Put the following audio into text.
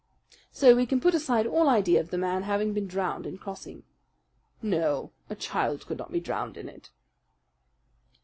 "So we can put aside all idea of the man having been drowned in crossing." "No, a child could not be drowned in it."